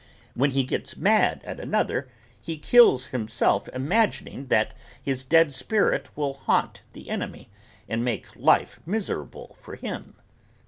When he gets mad at another he kills himself imagining that his dead spirit will haunt the enemy and make life miserable for him.